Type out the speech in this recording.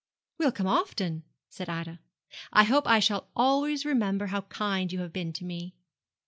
'We'll come often,' said Ida; 'I hope I shall always remember how kind you have been to me.'